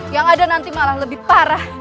yang ada nanti malah lebih parah